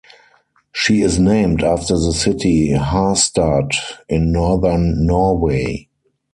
She is named after the city Harstad in Northern Norway.